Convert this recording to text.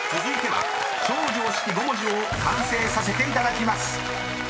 ［続いては超常識５文字を完成させていただきます］